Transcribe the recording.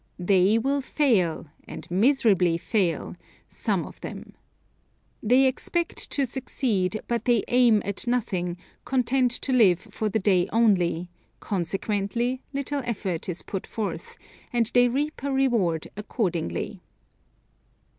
They will fail; and miserably fail, some of them. They expect to succeed, but they aim at nothing; content to live for the day only, consequently, little effort is put forth, and they reap a reward accordingly.